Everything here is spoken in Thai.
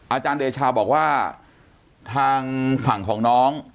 อาจารย์เดชาบอกว่าทางฝั่งของน้อง